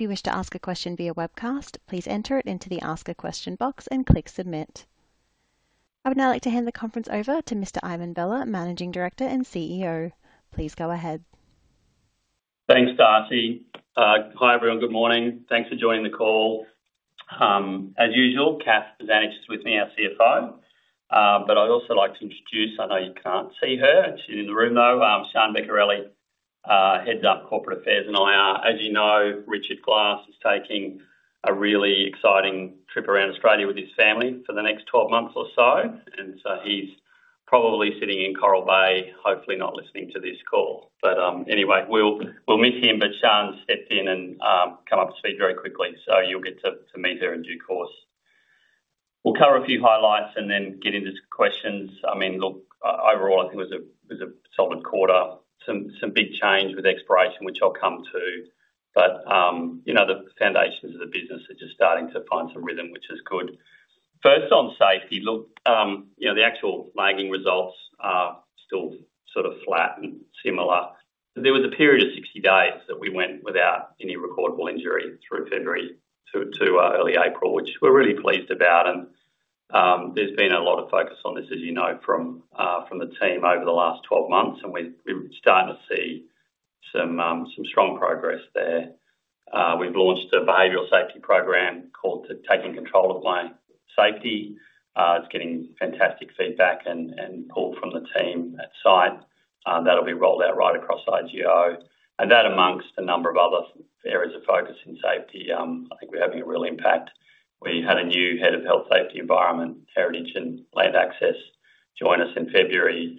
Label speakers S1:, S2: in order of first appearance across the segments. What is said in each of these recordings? S1: If you wish to ask a question via webcast, please enter it into the Ask a Question box and click Submit. I would now like to hand the conference over to Mr. Ivan Vella, Managing Director and CEO. Please go ahead.
S2: Thanks, Darcy. Hi, everyone. Good morning. Thanks for joining the call. As usual, Kath Bozanic is with me, our CFO. I would also like to introduce—I know you can't see her; she's in the room, though—Shaan Beccarelli, Heads of Corporate Affairs and IR, as you know. Richard Glass is taking a really exciting trip around Australia with his family for the next 12 months or so. He is probably sitting in Coral Bay, hopefully not listening to this call. We will miss him. Shaan stepped in and came up to speak very quickly. You will get to meet her in due course. We will cover a few highlights and then get into some questions. I mean, look, overall, I think it was a solid quarter. Some big change with exploration, which I will come to. The foundations of the business are just starting to find some rhythm, which is good. First, on safety, look, the actual lagging results are still sort of flat and similar. There was a period of 60 days that we went without any recordable injury through February to early April, which we are really pleased about. There has been a lot of focus on this, as you know, from the team over the last 12 months. We are starting to see some strong progress there. We have launched a behavioral safety program called Taking Control of My Safety. It is getting fantastic feedback and pull from the team at site. That will be rolled out right across IGO. That, among a number of other areas of focus in safety, I think we are having a real impact. We had a new Head of Health, Safety, Environment, Heritage, and Land Access join us in February.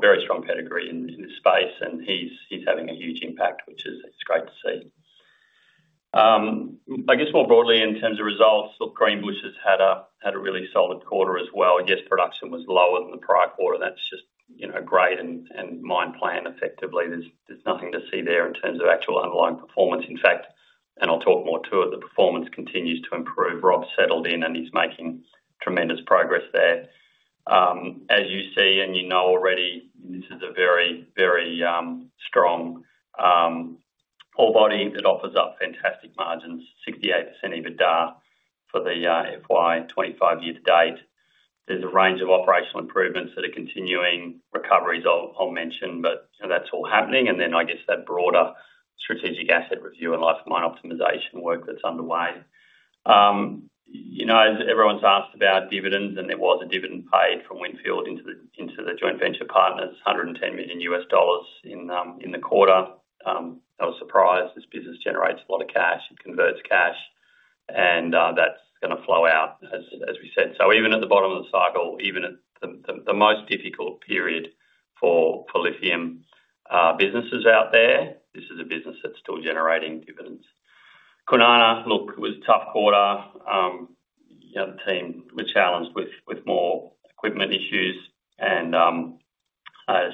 S2: Very strong pedigree in this space. And he's having a huge impact, which is great to see. I guess more broadly, in terms of results, look, Greenbushes has had a really solid quarter as well. I guess production was lower than the prior quarter. That's just grade and mine planning, effectively. There's nothing to see there in terms of actual underlying performance. In fact, and I'll talk more to it, the performance continues to improve. Rob's settled in, and he's making tremendous progress there. As you see and you know already, this is a very, very strong ore body that offers up fantastic margins, 68% EBITDA for the FY2025 year to date. There's a range of operational improvements that are continuing. Recoveries I'll mention, but that's all happening. I guess that broader strategic asset review and life of mine optimisation work that's underway. As everyone's asked about dividends, and there was a dividend paid from Winfield into the joint venture partners, $110 million in the quarter. I was surprised. This business generates a lot of cash. It converts cash. That is going to flow out, as we said. Even at the bottom of the cycle, even at the most difficult period for lithium businesses out there, this is a business that's still generating dividends. Kwinana, look, it was a tough quarter. The team were challenged with more equipment issues and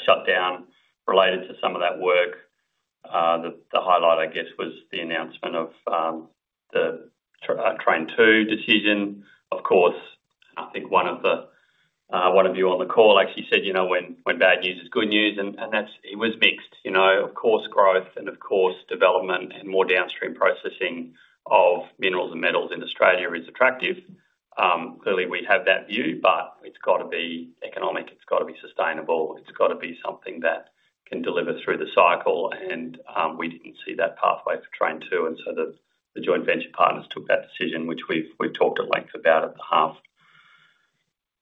S2: shutdown related to some of that work. The highlight, I guess, was the announcement of the Train II decision. Of course, I think one of you on the call actually said, "When bad news is good news." It was mixed. Growth and, of course, development and more downstream processing of minerals and metals in Australia is attractive. Clearly, we have that view, but it's got to be economic. It's got to be sustainable. It's got to be something that can deliver through the cycle. We didn't see that pathway for Train II. The joint venture partners took that decision, which we've talked at length about at the half.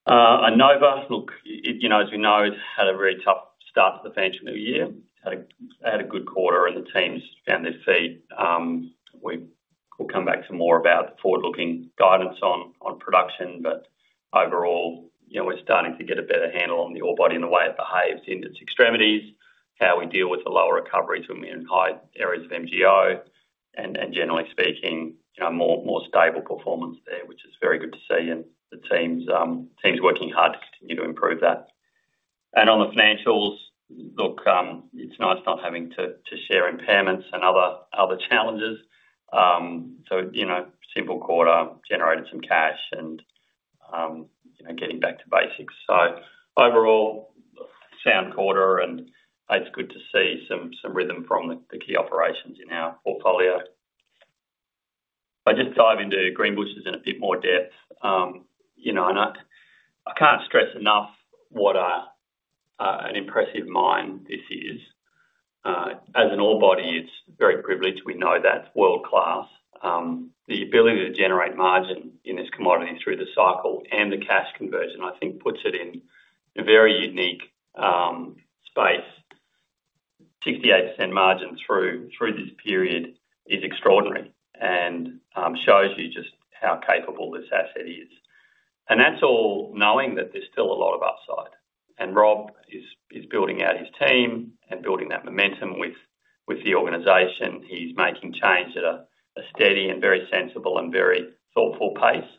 S2: Nova, look, as we know, had a very tough start to the financial year. Had a good quarter, and the team's found their feet. We'll come back to more about forward-looking guidance on production. Overall, we're starting to get a better handle on the ore body and the way it behaves in its extremities, how we deal with the lower recoveries when we're in high areas of MGO, and generally speaking, more stable performance there, which is very good to see. The team's working hard to continue to improve that. On the financials, look, it's nice not having to share impairments and other challenges. Simple quarter generated some cash and getting back to basics. Overall, sound quarter. It's good to see some rhythm from the key operations in our portfolio. If I just dive into Greenbushes in a bit more depth, I can't stress enough what an impressive mine this is. As an ore body, it's very privileged. We know that. It's world-class. The ability to generate margin in this commodity through the cycle and the cash conversion, I think, puts it in a very unique space. 68% margin through this period is extraordinary and shows you just how capable this asset is. That's all knowing that there's still a lot of upside. Rob is building out his team and building that momentum with the organization. He's making change at a steady and very sensible and very thoughtful pace.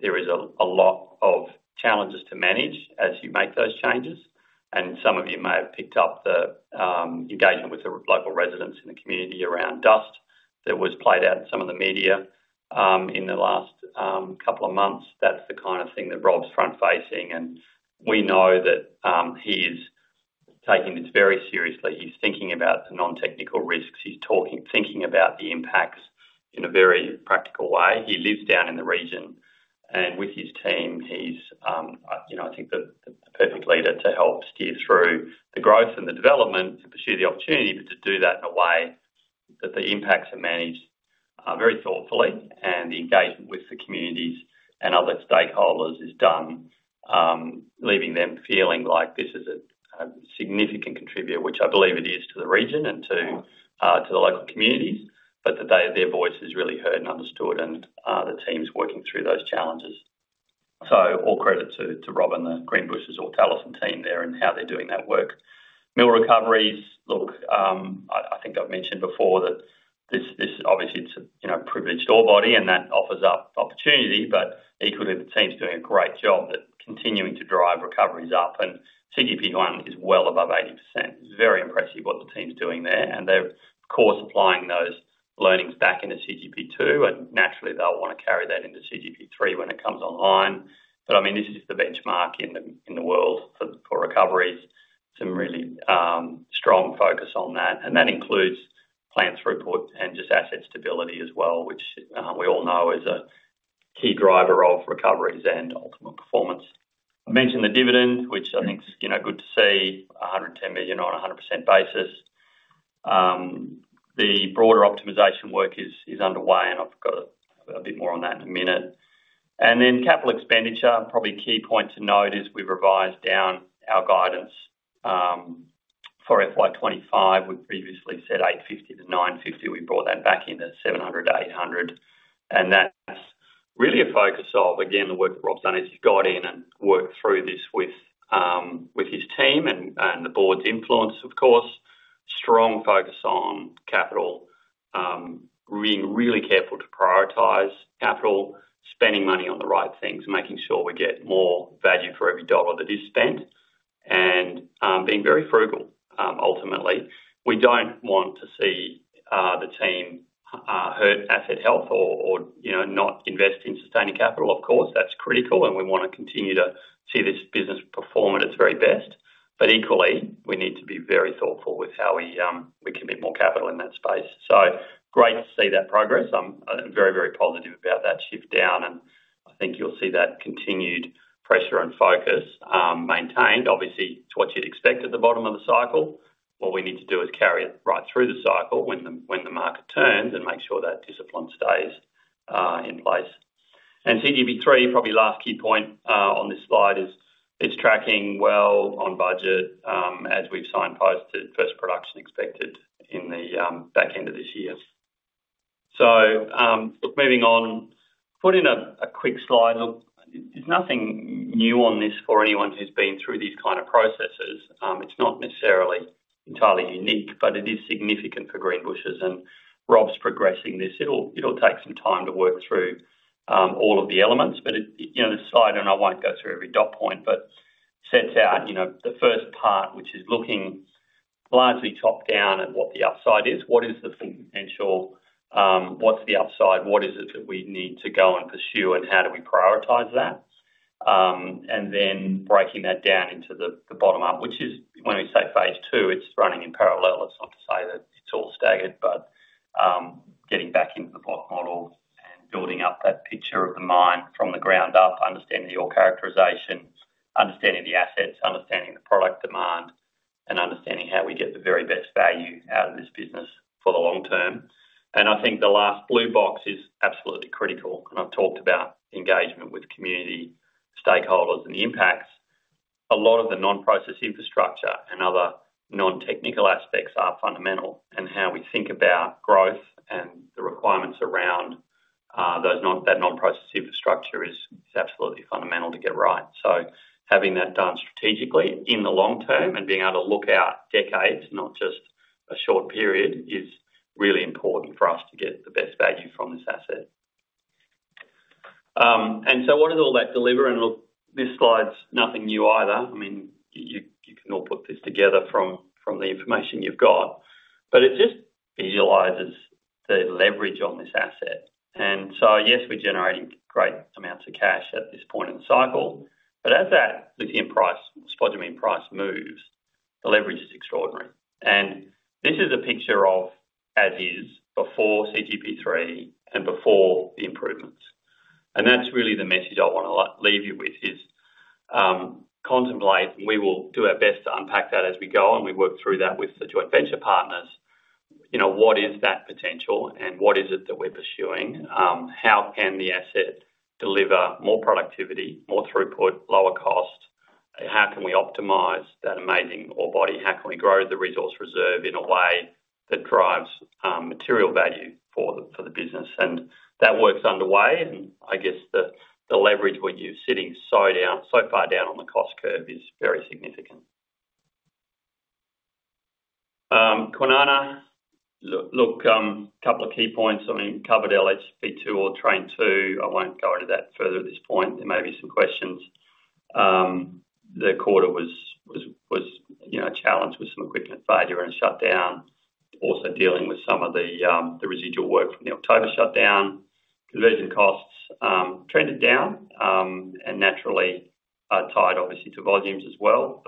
S2: There is a lot of challenges to manage as you make those changes. Some of you may have picked up the engagement with the local residents in the community around dust that was played out in some of the media in the last couple of months. That is the kind of thing that Rob's front-facing. We know that he is taking this very seriously. He's thinking about the non-technical risks. He's thinking about the impacts in a very practical way. He lives down in the region. With his team, he's, I think, the perfect leader to help steer through the growth and the development to pursue the opportunity, but to do that in a way that the impacts are managed very thoughtfully. The engagement with the communities and other stakeholders is done, leaving them feeling like this is a significant contributor, which I believe it is to the region and to the local communities, but that their voice is really heard and understood, and the team's working through those challenges. All credit to Rob and the Greenbushes or Talison team there and how they're doing that work. Mill recoveries, look, I think I've mentioned before that this obviously is a privileged ore body, and that offers up opportunity. Equally, the team's doing a great job at continuing to drive recoveries up. CGP1 is well above 80%. It's very impressive what the team's doing there. They're, of course, applying those learnings back into CGP2. Naturally, they'll want to carry that into CGP3 when it comes online. I mean, this is the benchmark in the world for recoveries. Some really strong focus on that. That includes plant throughput and just asset stability as well, which we all know is a key driver of recoveries and ultimate performance. I mentioned the dividend, which I think is good to see, 110 million on a 100% basis. The broader optimisation work is underway. I have got a bit more on that in a minute. Capital expenditure, probably a key point to note is we have revised down our guidance for FY2025. We previously said 850-950 million. We brought that back into 700-800 million. That is really a focus of, again, the work that Rob has done as he has got in and worked through this with his team and the board's influence, of course. Strong focus on capital, being really careful to prioritize capital, spending money on the right things, making sure we get more value for every dollar that is spent, and being very frugal, ultimately. We do not want to see the team hurt asset health or not invest in sustaining capital. Of course, that is critical. We want to continue to see this business perform at its very best. Equally, we need to be very thoughtful with how we commit more capital in that space. Great to see that progress. I am very, very positive about that shift down. I think you will see that continued pressure and focus maintained. Obviously, it is what you would expect at the bottom of the cycle. What we need to do is carry it right through the cycle when the market turns and make sure that discipline stays in place. CGP3, probably last key point on this slide, is tracking well on budget as we've signposted first production expected in the back end of this year. Moving on, put in a quick slide. Look, there's nothing new on this for anyone who's been through these kind of processes. It's not necessarily entirely unique, but it is significant for Greenbushes. Rob's progressing this. It'll take some time to work through all of the elements. The slide, and I won't go through every dot point, sets out the first part, which is looking largely top-down at what the upside is. What is the potential? What's the upside? What is it that we need to go and pursue? How do we prioritise that? Then breaking that down into the bottom up, which is when we say phase two, it's running in parallel. It's not to say that it's all staggered, but getting back into the block model and building up that picture of the mine from the ground up, understanding the ore characterisation, understanding the assets, understanding the product demand, and understanding how we get the very best value out of this business for the long term. I think the last blue box is absolutely critical. I have talked about engagement with community stakeholders and the impacts. A lot of the non-process infrastructure and other non-technical aspects are fundamental. How we think about growth and the requirements around that non-process infrastructure is absolutely fundamental to get right. Having that done strategically in the long term and being able to look out decades, not just a short period, is really important for us to get the best value from this asset. What does all that deliver? Look, this slide's nothing new either. I mean, you can all put this together from the information you've got. It just visualizes the leverage on this asset. Yes, we're generating great amounts of cash at this point in the cycle. As that lithium price, spodumene price moves, the leverage is extraordinary. This is a picture of as is before CGP3 and before the improvements. That's really the message I want to leave you with: contemplate, and we will do our best to unpack that as we go. We work through that with the joint venture partners. What is that potential? What is it that we're pursuing? How can the asset deliver more productivity, more throughput, lower cost? How can we optimize that amazing ore body? How can we grow the resource reserve in a way that drives material value for the business? That work is underway. I guess the leverage where you're sitting so far down on the cost curve is very significant. Kwinana, look, a couple of key points. I mean, covered LHP2 or Train II. I won't go into that further at this point. There may be some questions. The quarter was challenged with some equipment failure and a shutdown, also dealing with some of the residual work from the October shutdown. Conversion costs trended down and naturally tied, obviously, to volumes as well.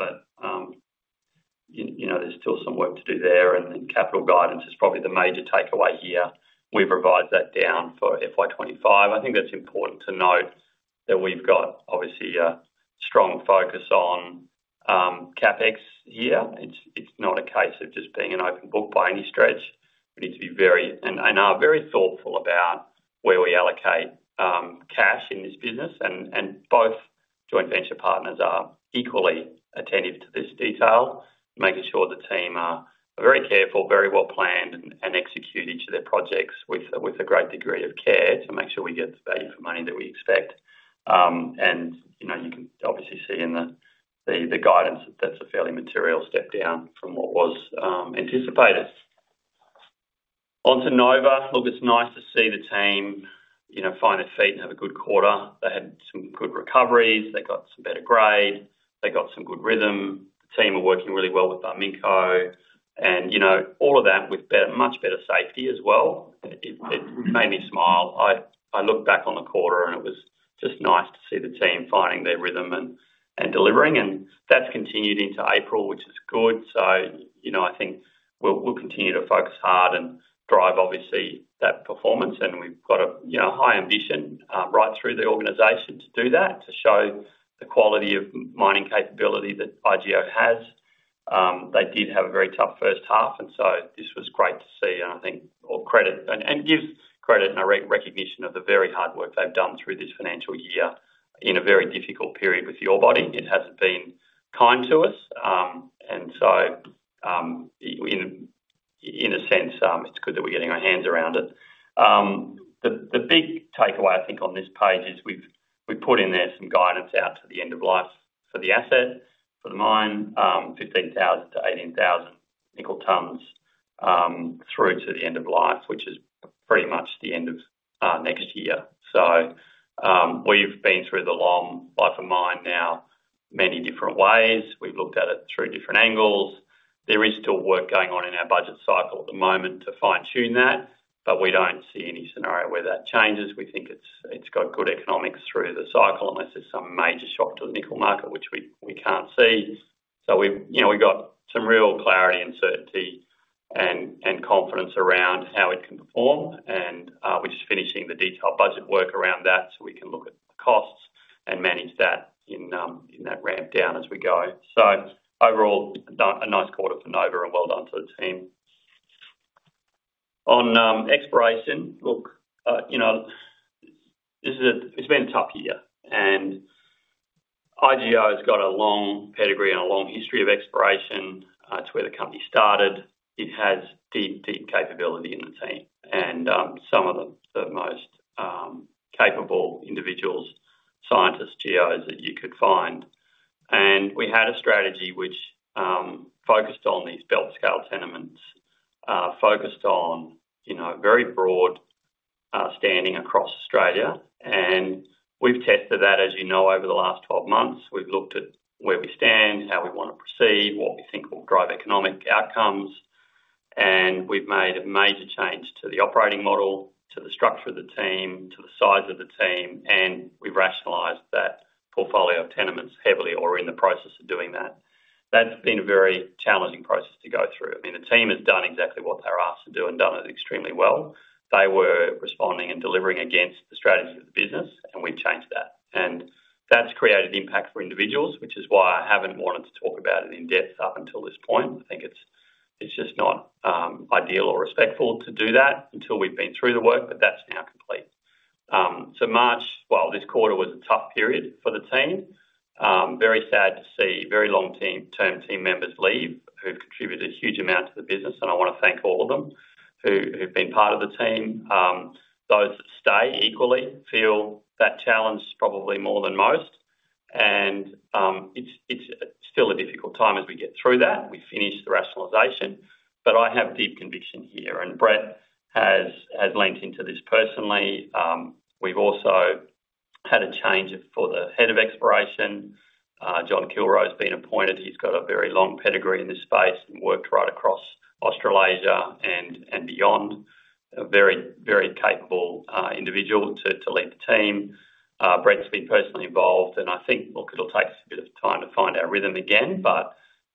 S2: There's still some work to do there. Capital guidance is probably the major takeaway here. We've revised that down for FY2025. I think that's important to note that we've got, obviously, a strong focus on CapEx here. It's not a case of just being an open book by any stretch. We need to be very and are very thoughtful about where we allocate cash in this business. Both joint venture partners are equally attentive to this detail, making sure the team are very careful, very well planned, and execute each of their projects with a great degree of care to make sure we get the value for money that we expect. You can obviously see in the guidance that that's a fairly material step down from what was anticipated. Onto Nova. Look, it's nice to see the team find their feet and have a good quarter. They had some good recoveries. They got some better grade. They got some good rhythm. The team are working really well with Barminco. All of that with much better safety as well. It made me smile. I looked back on the quarter, and it was just nice to see the team finding their rhythm and delivering. That has continued into April, which is good. I think we will continue to focus hard and drive, obviously, that performance. We have got a high ambition right through the organisation to do that, to show the quality of mining capability that IGO has. They did have a very tough first half. This was great to see. I think it gives credit and recognition of the very hard work they have done through this financial year in a very difficult period with the ore body. It has not been kind to us. In a sense, it is good that we are getting our hands around it. The big takeaway, I think, on this page is we've put in there some guidance out to the end of life for the asset, for the mine, 15,000-18,000 nickel tons through to the end of life, which is pretty much the end of next year. We've been through the long life of mine now many different ways. We've looked at it through different angles. There is still work going on in our budget cycle at the moment to fine-tune that. We don't see any scenario where that changes. We think it's got good economics through the cycle unless there's some major shock to the nickel market, which we can't see. We've got some real clarity and certainty and confidence around how it can perform. We're just finishing the detailed budget work around that so we can look at the costs and manage that in that ramp down as we go. Overall, a nice quarter for Nova and well done to the team. On exploration, look, it's been a tough year. IGO has got a long pedigree and a long history of exploration. It's where the company started. It has deep, deep capability in the team. Some of the most capable individuals, scientists, GOs that you could find. We had a strategy which focused on these belt-scale tenements, focused on very broad standing across Australia. We've tested that, as you know, over the last 12 months. We've looked at where we stand, how we want to proceed, what we think will drive economic outcomes. We have made a major change to the operating model, to the structure of the team, to the size of the team. We have rationalized that portfolio of tenements heavily or are in the process of doing that. That has been a very challenging process to go through. I mean, the team has done exactly what they are asked to do and done it extremely well. They were responding and delivering against the strategy of the business. We have changed that. That has created impact for individuals, which is why I have not wanted to talk about it in depth up until this point. I think it is just not ideal or respectful to do that until we have been through the work. That is now complete. March, well, this quarter was a tough period for the team. Very sad to see very long-term team members leave who've contributed a huge amount to the business. I want to thank all of them who've been part of the team. Those that stay equally feel that challenge probably more than most. It's still a difficult time as we get through that. We finish the rationalisation. I have deep conviction here. Brett has leant into this personally. We've also had a change for the Head of Exploration. John Kilroe has been appointed. He's got a very long pedigree in this space and worked right across Australasia and beyond. A very, very capable individual to lead the team. Brett's been personally involved. I think, look, it'll take us a bit of time to find our rhythm again.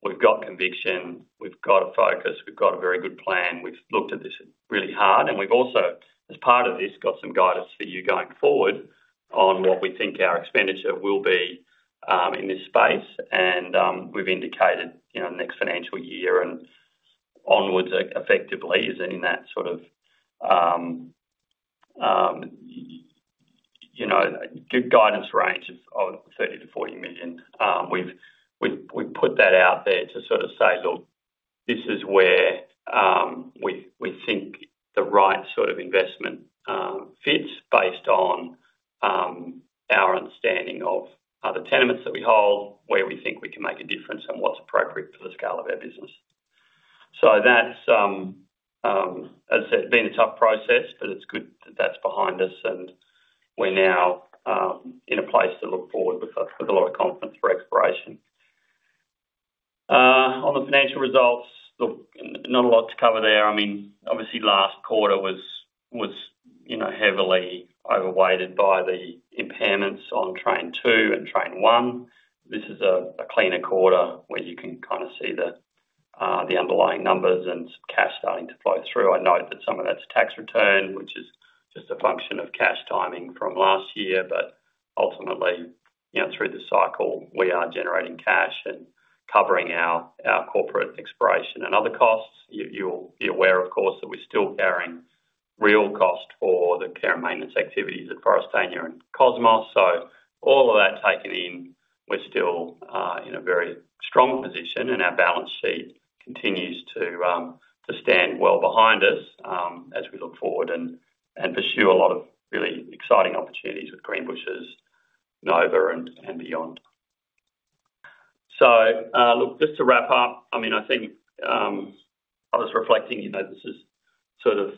S2: We've got conviction. We've got a focus. We've got a very good plan. We've looked at this really hard. We have also, as part of this, got some guidance for you going forward on what we think our expenditure will be in this space. We have indicated the next financial year and onwards effectively is in that sort of good guidance range of 30 million-40 million. We have put that out there to sort of say, "Look, this is where we think the right sort of investment fits based on our understanding of other tenements that we hold, where we think we can make a difference, and what is appropriate for the scale of our business." That, as I said, has been a tough process. It is good that is behind us. We are now in a place to look forward with a lot of confidence for exploration. On the financial results, not a lot to cover there. I mean, obviously, last quarter was heavily overweighted by the impairments on Train II and Train I. This is a cleaner quarter where you can kind of see the underlying numbers and some cash starting to flow through. I note that some of that's tax return, which is just a function of cash timing from last year. Ultimately, through the cycle, we are generating cash and covering our corporate exploration and other costs. You'll be aware, of course, that we're still carrying real cost for the care and maintenance activities at Forrestania and Cosmos. All of that taken in, we're still in a very strong position. Our balance sheet continues to stand well behind us as we look forward and pursue a lot of really exciting opportunities with Greenbushes, Nova, and beyond. Look, just to wrap up, I mean, I think I was reflecting this is sort of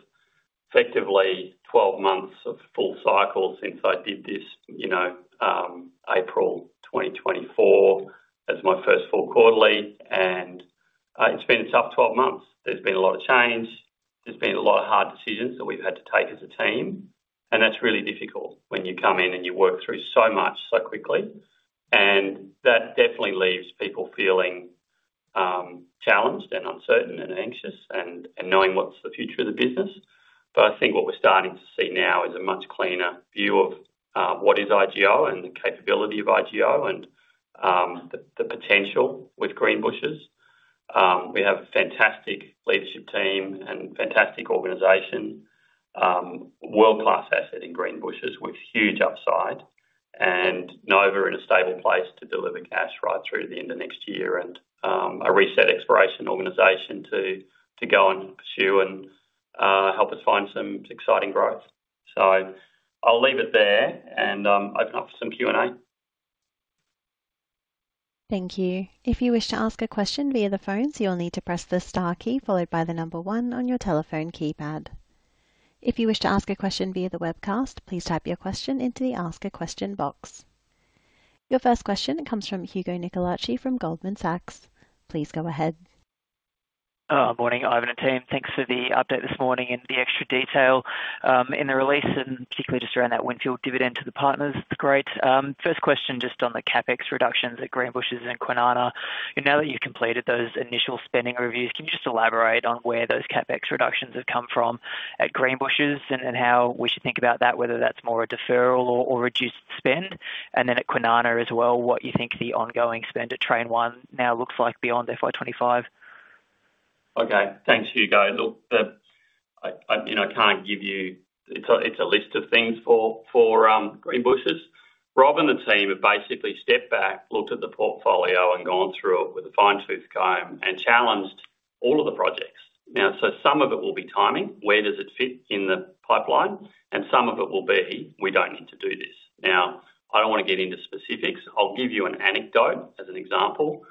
S2: effectively 12 months of full cycle since I did this April 2024 as my first full quarterly. It's been a tough 12 months. There's been a lot of change. There's been a lot of hard decisions that we've had to take as a team. That's really difficult when you come in and you work through so much so quickly. That definitely leaves people feeling challenged and uncertain and anxious and knowing what's the future of the business. I think what we're starting to see now is a much cleaner view of what is IGO and the capability of IGO and the potential with Greenbushes. We have a fantastic leadership team and fantastic organization, world-class asset in Greenbushes with huge upside. Nova is in a stable place to deliver cash right through to the end of next year and a reset exploration organization to go and pursue and help us find some exciting growth. I will leave it there and open up for some Q&A.
S1: Thank you. If you wish to ask a question via the phone, you will need to press the star key followed by the number one on your telephone keypad. If you wish to ask a question via the webcast, please type your question into the ask a question box. Your first question comes from Hugo Nicolaci from Goldman Sachs. Please go ahead.
S3: Morning, Ivan and team. Thanks for the update this morning and the extra detail in the release and particularly just around that Windfield dividend to the partners. It's great. First question just on the CapEx reductions at Greenbushes and Kwinana. Now that you've completed those initial spending reviews, can you just elaborate on where those CapEx reductions have come from at Greenbushes and how we should think about that, whether that's more a deferral or reduced spend? At Kwinana as well, what you think the ongoing spend at Train I now looks like beyond FY2025?
S2: Okay. Thanks, Hugo. Look, I can't give you it's a list of things for Greenbushes. Rob and the team have basically stepped back, looked at the portfolio, and gone through it with a fine-tooth comb and challenged all of the projects. Now, some of it will be timing. Where does it fit in the pipeline? And some of it will be, "We don't need to do this." Now, I don't want to get into specifics. I'll give you an anecdote as an example.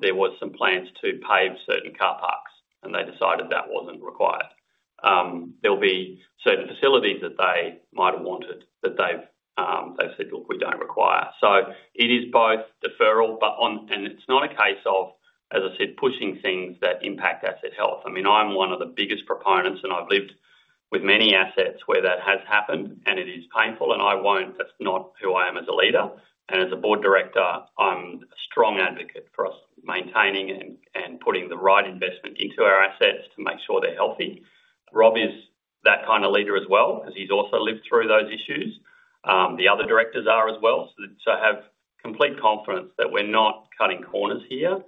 S2: There were some plans to pave certain car parks, and they decided that wasn't required. There'll be certain facilities that they might have wanted that they've said, "Look, we don't require." It is both deferral, but on and it's not a case of, as I said, pushing things that impact asset health. I mean, I'm one of the biggest proponents, and I've lived with many assets where that has happened, and it is painful. I won't. That's not who I am as a leader. As a board director, I'm a strong advocate for us maintaining and putting the right investment into our assets to make sure they're healthy. Rob is that kind of leader as well because he's also lived through those issues. The other directors are as well. I have complete confidence that we're not cutting corners here.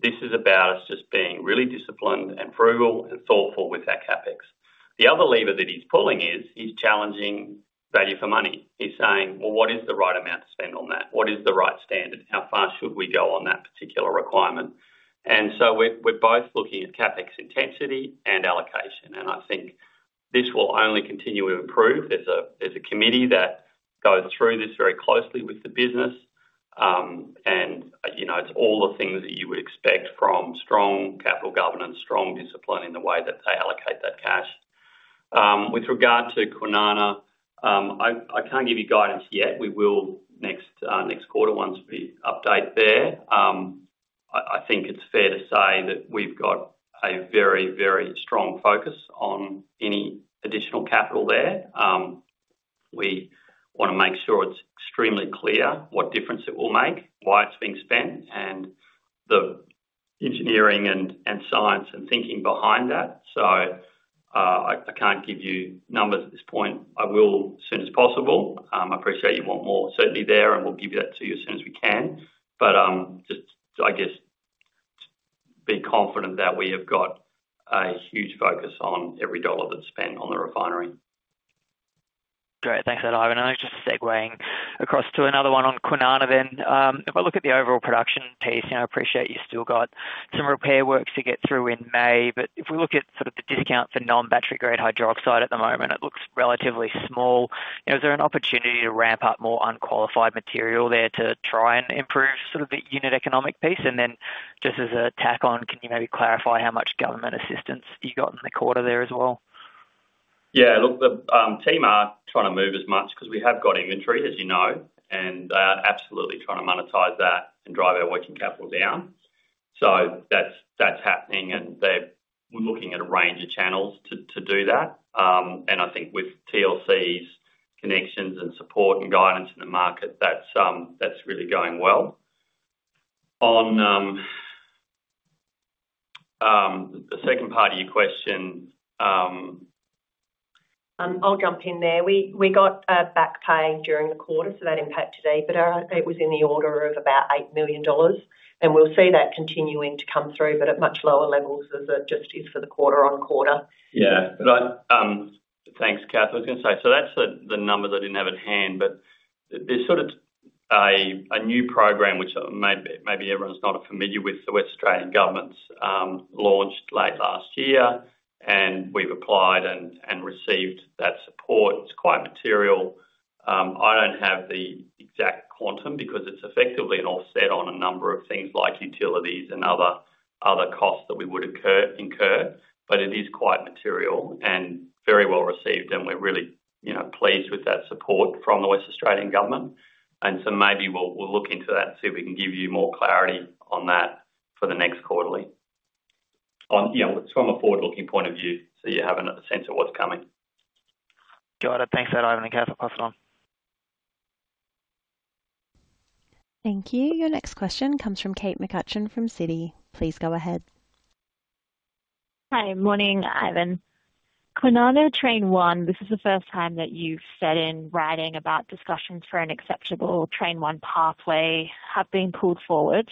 S2: This is about us just being really disciplined and frugal and thoughtful with our CapEx. The other lever that he's pulling is he's challenging value for money. He's saying, "Well, what is the right amount to spend on that? What is the right standard? How far should we go on that particular requirement? We are both looking at CapEx intensity and allocation. I think this will only continue to improve. There is a committee that goes through this very closely with the business. It is all the things that you would expect from strong capital governance, strong discipline in the way that they allocate that cash. With regard to Kwinana, I cannot give you guidance yet. We will next quarter once we update there. I think it is fair to say that we have got a very, very strong focus on any additional capital there. We want to make sure it is extremely clear what difference it will make, why it is being spent, and the engineering and science and thinking behind that. I cannot give you numbers at this point. I will as soon as possible. I appreciate you want more certainty there, and we'll give you that to you as soon as we can. I guess, be confident that we have got a huge focus on every dollar that's spent on the refinery.
S3: Great. Thanks for that, Ivan. Just segueing across to another one on Kwinana then. If I look at the overall production piece, I appreciate you've still got some repair work to get through in May. If we look at sort of the discount for non-battery-grade hydroxide at the moment, it looks relatively small. Is there an opportunity to ramp up more unqualified material there to try and improve sort of the unit economic piece? Just as a tack on, can you maybe clarify how much government assistance you got in the quarter there as well?
S2: Yeah. Look, the team are not trying to move as much because we have got inventory, as you know. They are absolutely trying to monetize that and drive our working capital down. That is happening. We are looking at a range of channels to do that. I think with TLC's connections and support and guidance in the market, that is really going well. On the second part of your question.
S4: I'll jump in there. We got a back pay during the quarter, so that impacted EBITDA. It was in the order of about 8 million dollars. We'll see that continuing to come through, but at much lower levels as it just is for the quarter-over-quarter.
S2: Yeah. Thanks, Kath. I was going to say, that's the number that I didn't have at hand. There is sort of a new program, which maybe everyone's not familiar with, the West Australian government's launched late last year. We've applied and received that support. It's quite material. I don't have the exact quantum because it's effectively an offset on a number of things like utilities and other costs that we would incur. It is quite material and very well received. We're really pleased with that support from the West Australian government. Maybe we'll look into that and see if we can give you more clarity on that for the next quarterly. From a forward-looking point of view, you have a sense of what's coming.
S3: Got it. Thanks for that, Ivan and Kath. I'll pass it on.
S1: Thank you. Your next question comes from Kate McCutcheon from Citi. Please go ahead.
S5: Hi. Morning, Ivan. Kwinana Train I, this is the first time that you've said in writing about discussions for an acceptable Train I pathway have been pulled forward.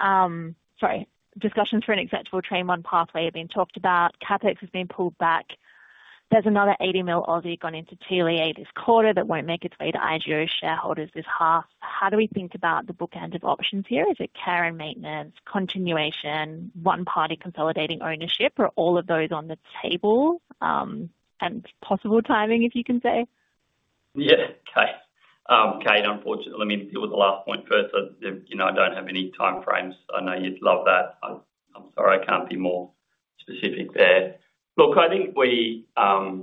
S5: Sorry. Discussions for an acceptable Train I pathway have been talked about. CapEx has been pulled back. There is another 80 million gone into TLEA this quarter that will not make its way to IGO shareholders this half. How do we think about the bookend of options here? Is it care and maintenance, continuation, one-party consolidating ownership, or all of those on the table and possible timing, if you can say?
S2: Yeah. Okay. Kate, unfortunately, let me deal with the last point first. I do not have any time frames. I know you would love that. I am sorry. I cannot be more specific there. Look, I think we are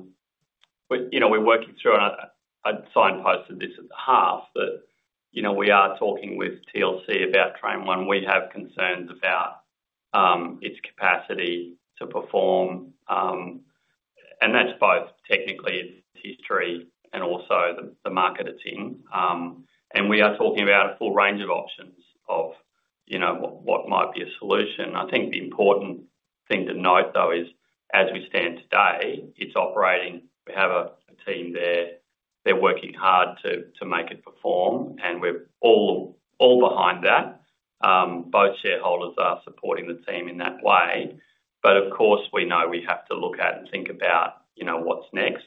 S2: working through—I signposted this at the half—but we are talking with TLC about Train I. We have concerns about its capacity to perform. That is both technically its history and also the market it is in. We are talking about a full range of options of what might be a solution. I think the important thing to note, though, is as we stand today, it is operating. We have a team there. They are working hard to make it perform. We are all behind that. Both shareholders are supporting the team in that way. Of course, we know we have to look at and think about what is next.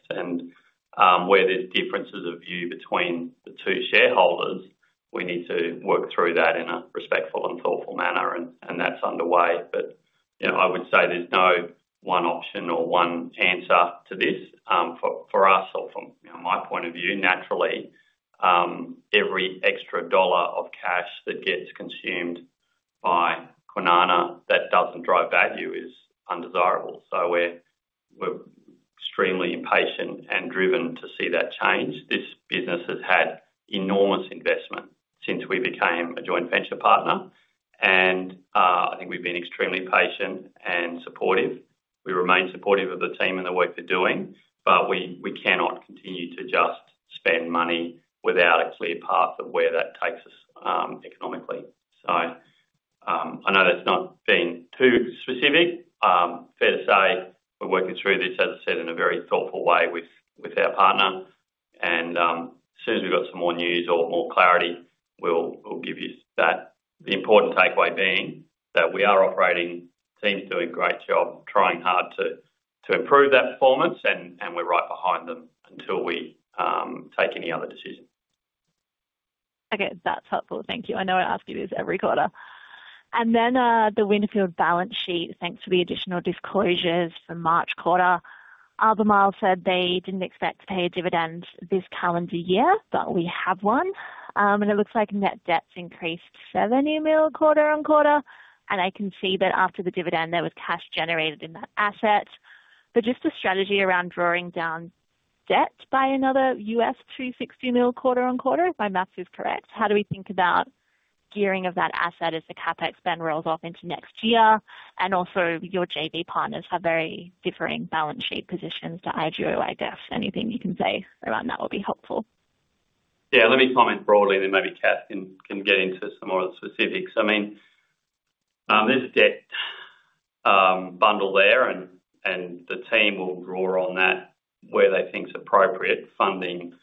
S2: Where there are differences of view between the two shareholders, we need to work through that in a respectful and thoughtful manner. That is underway. I would say there is no one option or one answer to this for us or from my point of view. Naturally, every extra dollar of cash that gets consumed by Kwinana that does not drive value is undesirable. We are extremely impatient and driven to see that change. This business has had enormous investment since we became a joint venture partner. I think we have been extremely patient and supportive. We remain supportive of the team and the work they are doing. We cannot continue to just spend money without a clear path of where that takes us economically. I know that has not been too specific. It is fair to say we are working through this, as I said, in a very thoughtful way with our partner. As soon as we've got some more news or more clarity, we'll give you that. The important takeaway being that we are operating, teams doing a great job, trying hard to improve that performance. We're right behind them until we take any other decision.
S5: Okay. That's helpful. Thank you. I know I ask you this every quarter. The Windfield balance sheet, thanks for the additional disclosures for March quarter. Albemarle said they didn't expect to pay a dividend this calendar year, but we have one. It looks like net debt's increased 70 million quarter-on-quarter. I can see that after the dividend, there was cash generated in that asset. Just the strategy around drawing down debt by another $260 million quarter-on-quarter, if my math is correct, how do we think about gearing of that asset as the CapEx then rolls off into next year? Also, your JV partners have very differing balance sheet positions to IGO, I guess. Anything you can say around that would be helpful.
S2: Yeah. Let me comment broadly, and then maybe Kath can get into some more of the specifics. I mean, there's a debt bundle there, and the team will draw on that where they think is appropriate funding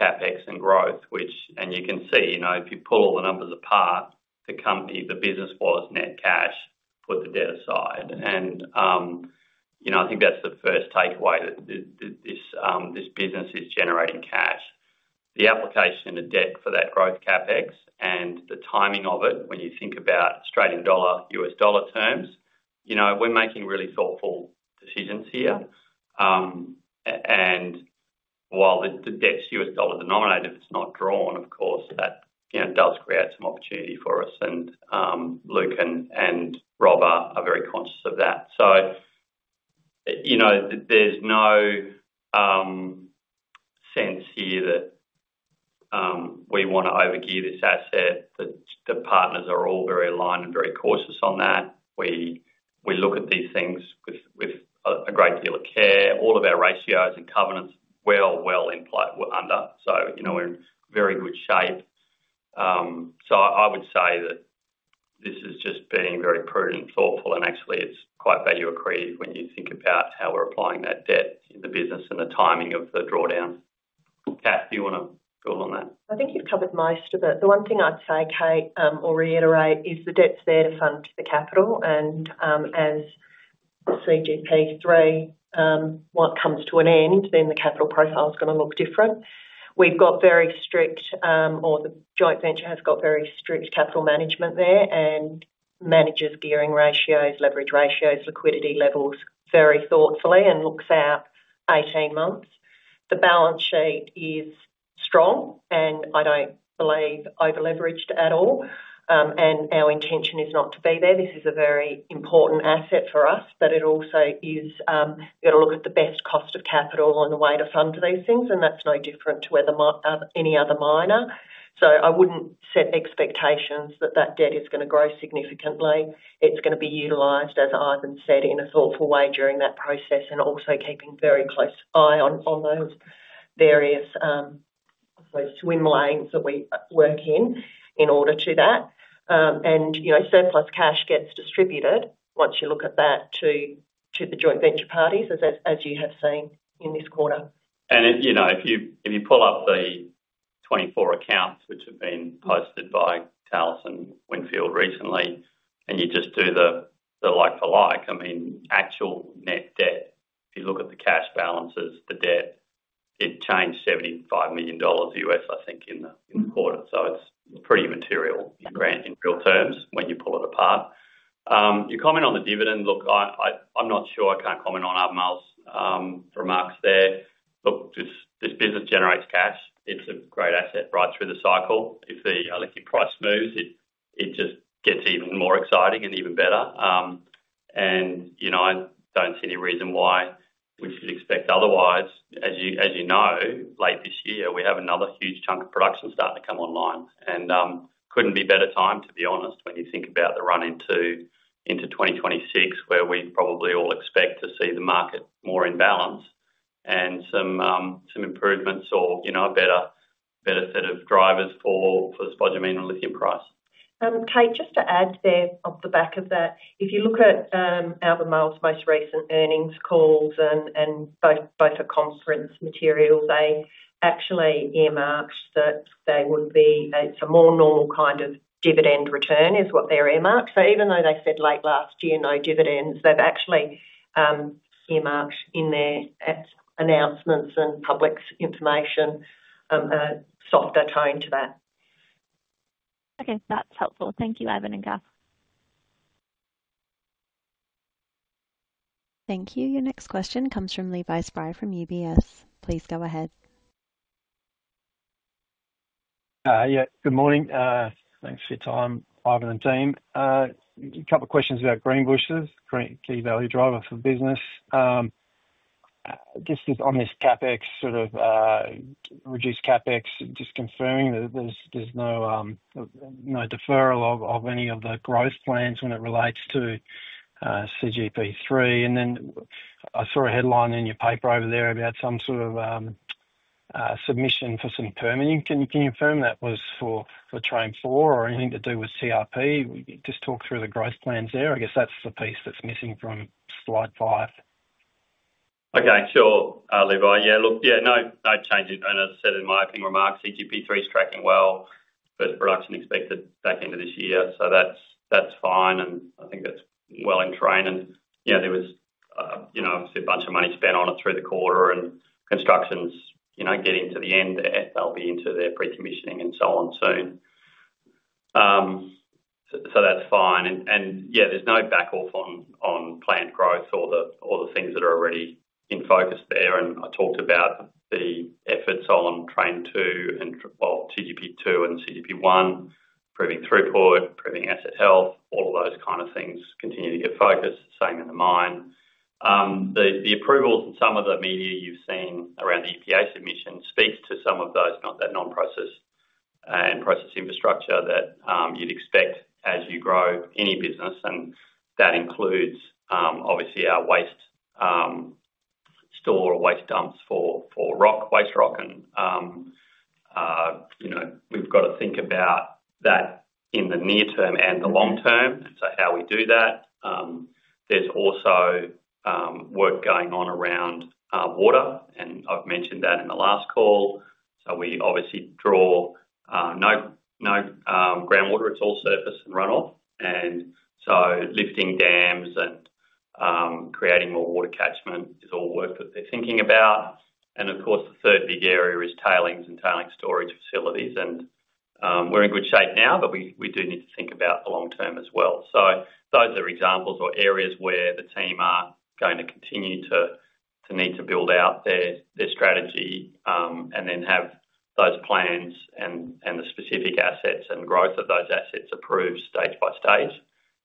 S2: CapEx and growth, which, and you can see, if you pull all the numbers apart, the business was net cash, put the debt aside. I think that's the first takeaway that this business is generating cash. The application of debt for that growth CapEx and the timing of it, when you think about Australian dollar, US dollar terms, we're making really thoughtful decisions here. While the debt's US dollar denominated, it's not drawn, of course, that does create some opportunity for us. Luke and Rob are very conscious of that. There's no sense here that we want to overgear this asset. The partners are all very aligned and very cautious on that. We look at these things with a great deal of care. All of our ratios and covenants are well, well under. We are in very good shape. I would say that this is just being very prudent and thoughtful. Actually, it's quite value accretive when you think about how we're applying that debt in the business and the timing of the drawdown. Kath, do you want to build on that?
S4: I think you've covered most of it. The one thing I'd say, Kate, or reiterate, is the debt's there to fund the capital. As CGP3 comes to an end, then the capital profile is going to look different. We've got very strict, or the joint venture has got very strict capital management there and manages gearing ratios, leverage ratios, liquidity levels very thoughtfully and looks out 18 months. The balance sheet is strong, and I don't believe overleveraged at all. Our intention is not to be there. This is a very important asset for us, but it also is you've got to look at the best cost of capital on the way to fund these things. That's no different to any other miner. I wouldn't set expectations that that debt is going to grow significantly. It's going to be utilised, as Ivan said, in a thoughtful way during that process, also keeping a very close eye on those various swim lanes that we work in in order to do that. Surplus cash gets distributed, once you look at that, to the joint venture parties, as you have seen in this quarter.
S2: If you pull up the 2024 accounts which have been posted by Talison Windfield recently, and you just do the like for like, I mean, actual net debt, if you look at the cash balances, the debt, it changed $75 million in the quarter. It is pretty material in real terms when you pull it apart. Your comment on the dividend, look, I'm not sure I can't comment on Albemarle's remarks there. Look, this business generates cash. It's a great asset right through the cycle. If the electric price moves, it just gets even more exciting and even better. I don't see any reason why we should expect otherwise. As you know, late this year, we have another huge chunk of production starting to come online. could not be a better time, to be honest, when you think about the run into 2026, where we probably all expect to see the market more in balance and some improvements or a better set of drivers for the spodumene and lithium price.
S4: Kate, just to add there off the back of that, if you look at Albemarle's most recent earnings calls and both the conference materials, they actually earmarked that they would be, it's a more normal kind of dividend return is what they're earmarked. Even though they said late last year, no dividends, they've actually earmarked in their announcements and public information a softer tone to that.
S5: Okay. That's helpful. Thank you, Ivan and Kath.
S2: Thank you. Your next question comes from Levi Spry from UBS. Please go ahead.
S6: Yeah. Good morning. Thanks for your time, Ivan and team. A couple of questions about Greenbushes, key value driver for the business. Just on this CapEx, sort of reduced CapEx, just confirming that there's no deferral of any of the growth plans when it relates to CGP3. I saw a headline in your paper over there about some sort of submission for some permitting. Can you confirm that was for Train IV or anything to do with CIP? Just talk through the growth plans there.
S2: I guess that's the piece that's missing from slide five. Okay. Sure, Levi. Yeah. Look, yeah, no changes. As I said in my opening remarks, CGP3 is tracking well, first production expected back into this year. That is fine. I think that is well in train. There was obviously a bunch of money spent on it through the quarter and construction is getting to the end there. They will be into their pre-commissioning and so on soon. That is fine. There is no backoff on planned growth or the things that are already in focus there. I talked about the efforts on Train II and, well, CGP2 and CGP1, proving throughput, proving asset health, all of those kind of things continue to get focused, same in the mine. The approvals and some of the media you've seen around the EPA submission speaks to some of those, not that non-process and process infrastructure that you'd expect as you grow any business. That includes, obviously, our waste store or waste dumps for waste rock. We've got to think about that in the near term and the long term. How we do that. There's also work going on around water. I mentioned that in the last call. We obviously draw no groundwater. It's all surface and runoff. Lifting dams and creating more water catchment is all work that they're thinking about. Of course, the third big area is tailings and tailing storage facilities. We're in good shape now, but we do need to think about the long term as well. Those are examples or areas where the team are going to continue to need to build out their strategy and then have those plans and the specific assets and growth of those assets approved stage by stage.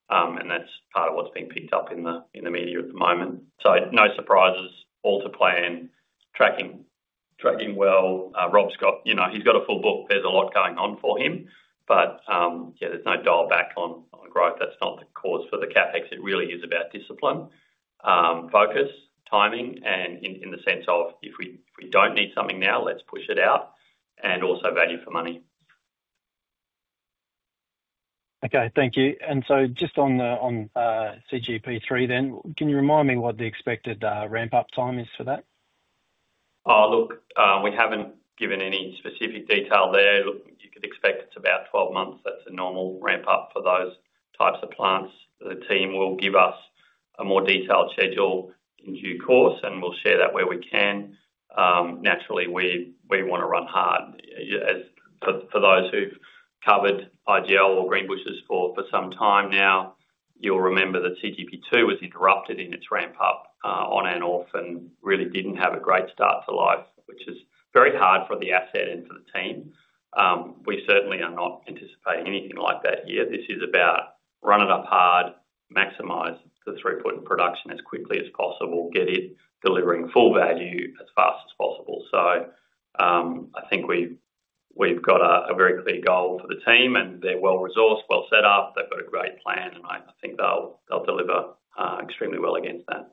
S2: That is part of what is being picked up in the media at the moment. No surprises, all to plan, tracking well. Rob Scott, he has got a full book. There is a lot going on for him. Yeah, there is no dial back on growth. That is not the cause for the CapEx. It really is about discipline, focus, timing, and in the sense of if we do not need something now, let us push it out and also value for money.
S6: Okay. Thank you. Just on CGP3 then, can you remind me what the expected ramp-up time is for that?
S2: Look, we haven't given any specific detail there. Look, you could expect it's about 12 months. That's a normal ramp-up for those types of plants. The team will give us a more detailed schedule in due course, and we'll share that where we can. Naturally, we want to run hard. For those who've covered IGO or Greenbushes for some time now, you'll remember that CGP2 was interrupted in its ramp-up on and off and really didn't have a great start to life, which is very hard for the asset and for the team. We certainly are not anticipating anything like that here. This is about run it up hard, maximize the throughput and production as quickly as possible, get it delivering full value as fast as possible. I think we've got a very clear goal for the team, and they're well-resourced, well-set up. They've got a great plan, and I think they'll deliver extremely well against that.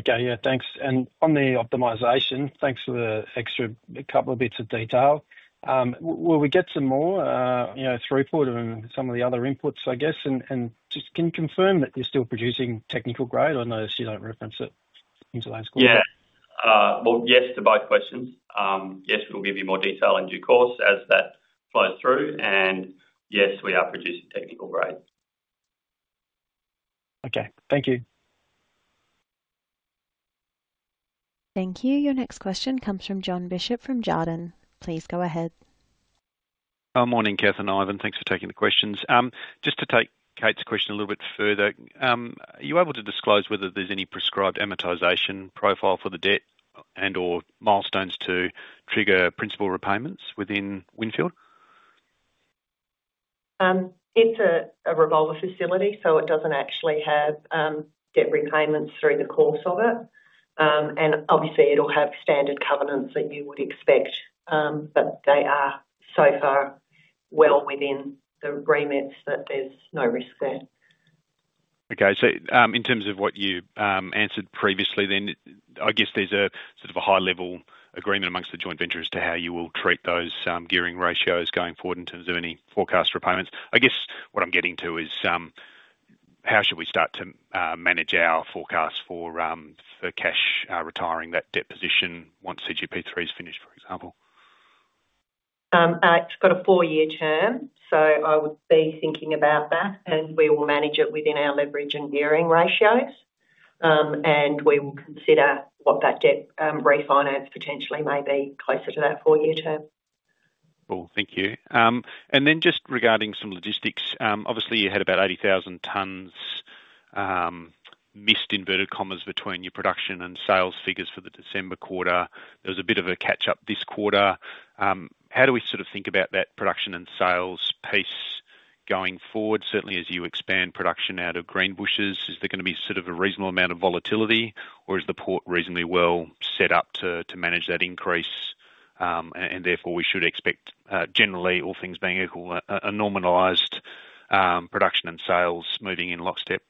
S6: Okay. Yeah. Thanks. On the optimisation, thanks for the extra couple of bits of detail. Will we get some more throughput and some of the other inputs, I guess? Can you confirm that you're still producing technical grade? I noticed you don't reference it into those questions.
S2: Yeah. Yes to both questions. Yes, we'll give you more detail in due course as that flows through. Yes, we are producing technical grade.
S6: Okay. Thank you.
S1: Thank you. Your next question comes from Jon Bishop from Jarden. Please go ahead.
S7: Morning, Kath and Ivan. Thanks for taking the questions. Just to take Kate's question a little bit further, are you able to disclose whether there's any prescribed amortization profile for the debt and/or milestones to trigger principal repayments within Windfield?
S4: It's a revolver facility, so it doesn't actually have debt repayments through the course of it. It will have standard covenants that you would expect, but they are so far well within the remits, that there's no risk there.
S7: Okay. In terms of what you answered previously then, I guess there's a sort of a high-level agreement amongst the joint ventures as to how you will treat those gearing ratios going forward in terms of any forecast repayments. I guess what I'm getting to is how should we start to manage our forecast for cash retiring that debt position once CGP3 is finished, for example?
S4: It's got a four-year term, so I would be thinking about that, and we will manage it within our leverage and gearing ratios. We will consider what that debt refinance potentially may be closer to that four-year term.
S7: Cool. Thank you. Thank you. Just regarding some logistics, obviously, you had about 80,000 tons missed, in inverted commas, between your production and sales figures for the December quarter. There was a bit of a catch-up this quarter. How do we sort of think about that production and sales piece going forward? Certainly, as you expand production out of Greenbushes, is there going to be sort of a reasonable amount of volatility, or is the port reasonably well set up to manage that increase? Therefore, we should expect, generally, all things being equal, a normalised production and sales moving in lockstep?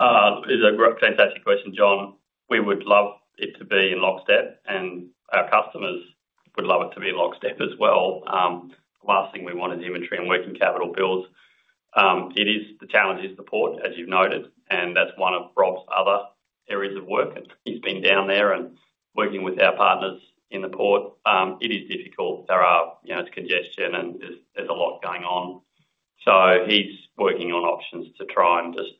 S2: It's a fantastic question, Jon. We would love it to be in lockstep, and our customers would love it to be in lockstep as well. The last thing we want is inventory and working capital bills. The challenge is the port, as you've noted, and that is one of Rob's other areas of work. He has been down there and working with our partners in the port. It is difficult. There is congestion, and there is a lot going on. He is working on options to try and just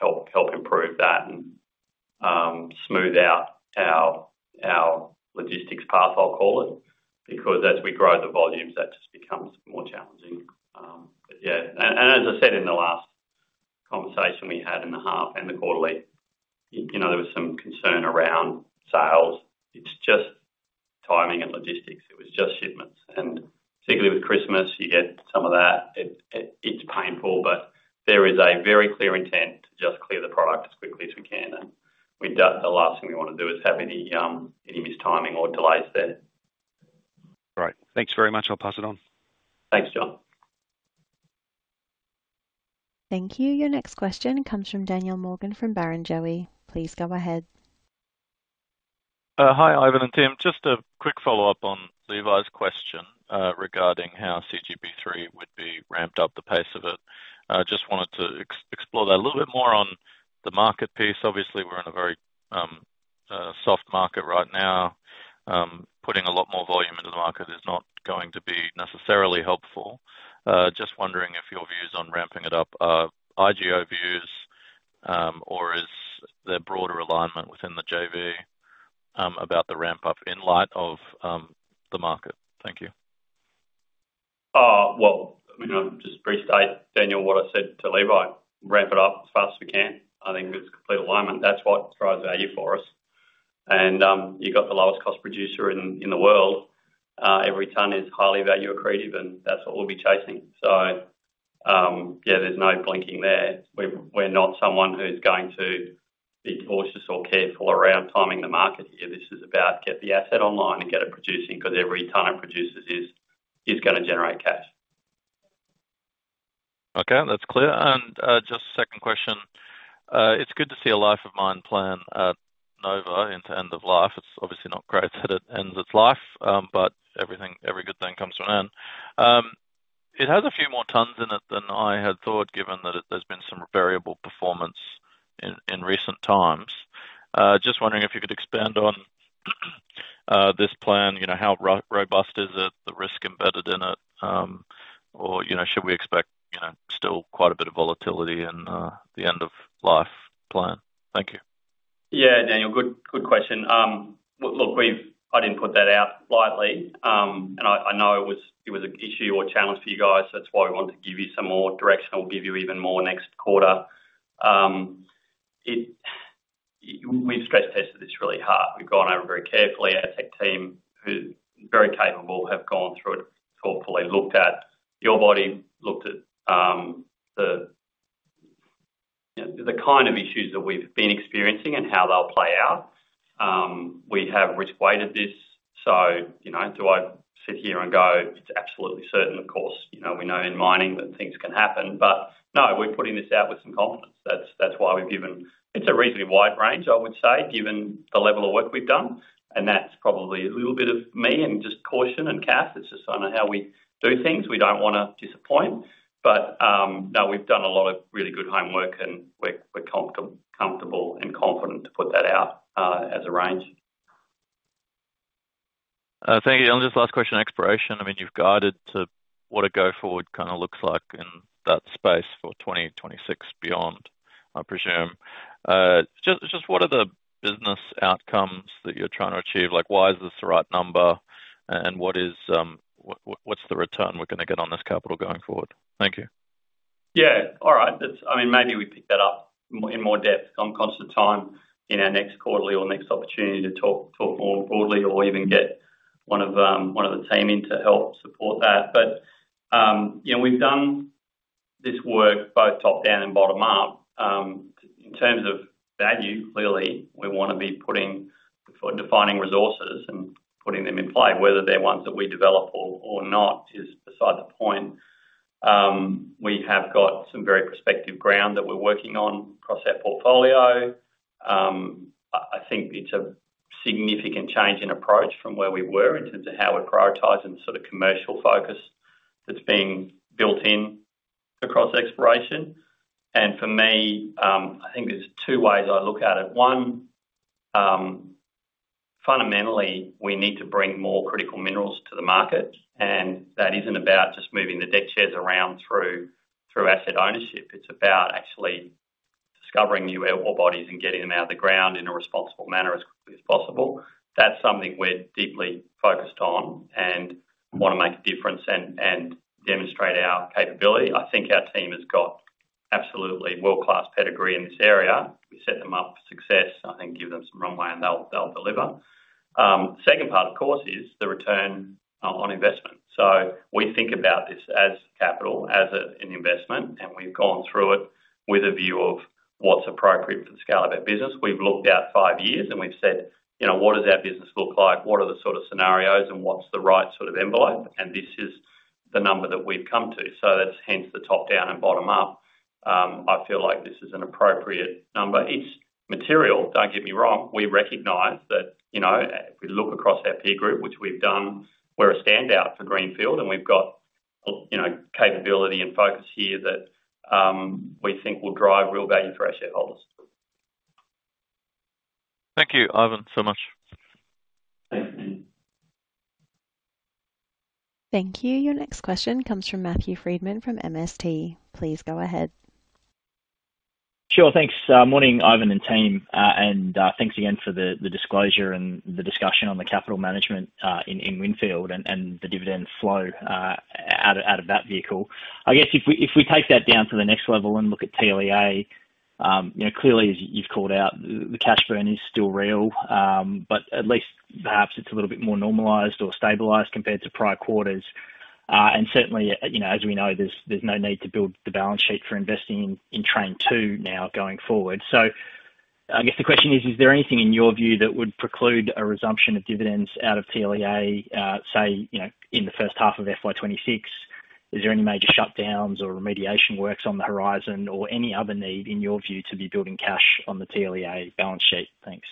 S2: help improve that and smooth out our logistics path, I'll call it, because as we grow the volumes, that just becomes more challenging. Yeah. As I said in the last conversation we had in the half and the quarterly, there was some concern around sales. It is just timing and logistics. It was just shipments. Particularly with Christmas, you get some of that. It's painful, but there is a very clear intent to just clear the product as quickly as we can. The last thing we want to do is have any missed timing or delays there.
S7: Great. Thanks very much. I'll pass it on.
S2: Thanks, Jon.
S1: Thank you. Your next question comes from Daniel Morgan from Barrenjoey. Please go ahead.
S8: Hi, Ivan and team. Just a quick follow-up on Levi's question regarding how CGP3 would be ramped up, the pace of it. Just wanted to explore that a little bit more on the market piece. Obviously, we're in a very soft market right now. Putting a lot more volume into the market is not going to be necessarily helpful. Just wondering if your views on ramping it up are IGO views, or is there broader alignment within the JV about the ramp-up in light of the market? Thank you.
S2: Just brief state, Daniel, what I said to Levi. Ramp it up as fast as we can. I think there's complete alignment. That's what drives value for us. You have the lowest cost producer in the world. Every ton is highly value accretive, and that's what we'll be chasing. Yeah, there's no blinking there. We're not someone who's going to be cautious or careful around timing the market here. This is about getting the asset online and getting it producing because every ton it produces is going to generate cash.
S8: Okay. That's clear. Just a second question. It's good to see a life of mine plan, Nova, into end of life. It's obviously not great that it ends its life, but every good thing comes to an end. It has a few more ton in it than I had thought, given that there's been some variable performance in recent times. Just wondering if you could expand on this plan. How robust is it? The risk embedded in it? Should we expect still quite a bit of volatility in the end of life plan? Thank you.
S2: Yeah, Daniel, good question. Look, I didn't put that out lightly. I know it was an issue or challenge for you guys, so that's why we wanted to give you some more direction. We'll give you even more next quarter. We've stress-tested this really hard. We've gone over it very carefully. Our tech team, who are very capable, have gone through it thoughtfully, looked at your body, looked at the kind of issues that we've been experiencing and how they'll play out. We have risk-weighted this. Do I sit here and go, "It's absolutely certain, of course. We know in mining that things can happen"? No, we're putting this out with some confidence. That's why we've given it's a reasonably wide range, I would say, given the level of work we've done. That's probably a little bit of me and just caution and Kath. It's just on how we do things. We don't want to disappoint. No, we've done a lot of really good homework, and we're comfortable and confident to put that out as a range.
S8: Thank you. Just last question, exploration. I mean, you've guided to what a go-forward kind of looks like in that space for 2026 and beyond, I presume. Just what are the business outcomes that you're trying to achieve? Why is this the right number? What's the return we're going to get on this capital going forward? Thank you.
S2: Yeah. All right. I mean, maybe we pick that up in more depth on constant time in our next quarterly or next opportunity to talk more broadly or even get one of the team in to help support that. We have done this work both top-down and bottom-up. In terms of value, clearly, we want to be putting defining resources and putting them in play. Whether they're ones that we develop or not is beside the point. We have got some very prospective ground that we're working on across our portfolio. I think it's a significant change in approach from where we were in terms of how we're prioritizing the sort of commercial focus that's being built in across exploration. For me, I think there's two ways I look at it. One, fundamentally, we need to bring more critical minerals to the market. That isn't about just moving the deck chairs around through asset ownership. It's about actually discovering new ore bodies and getting them out of the ground in a responsible manner as quickly as possible. That's something we're deeply focused on and want to make a difference and demonstrate our capability. I think our team has got absolutely world-class pedigree in this area. We set them up for success. I think give them some runway, and they'll deliver. The second part, of course, is the return on investment. We think about this as capital, as an investment, and we've gone through it with a view of what's appropriate for the scale of our business. We've looked at five years, and we've said, "What does our business look like? What are the sort of scenarios, and what's the right sort of envelope? This is the number that we've come to. Hence the top-down and bottom-up. I feel like this is an appropriate number. It's material. Don't get me wrong. We recognize that if we look across our peer group, which we've done, we're a standout for Greenfield, and we've got capability and focus here that we think will drive real value for our shareholders.
S8: Thank you, Ivan, so much.
S2: Thanks, Tim.
S1: Thank you. Your next question comes from Matthew Frydman from MST. Please go ahead.
S9: Sure. Thanks. Morning, Ivan and team. Thanks again for the disclosure and the discussion on the capital management in Windfield and the dividend flow out of that vehicle. I guess if we take that down to the next level and look at TLEA, clearly, as you've called out, the cash burn is still real, but at least perhaps it's a little bit more normalised or stabilised compared to prior quarters. Certainly, as we know, there's no need to build the balance sheet for investing in Train II now going forward. I guess the question is, is there anything in your view that would preclude a resumption of dividends out of TLEA, say, in the first half of FY2026? Is there any major shutdowns or remediation works on the horizon or any other need in your view to be building cash on the TLEA balance sheet? Thanks.